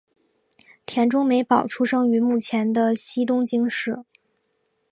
田中美保出生于目前的西东京市。